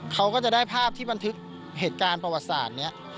เขาก็จะได้ภาพที่บันทึกเหตุการณ์ประวัติศาสตร์นี้